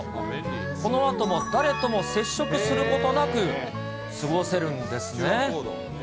このあとも誰とも接触することなく、過ごせるんですね。